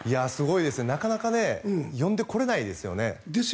なかなか呼んでこれないですよね。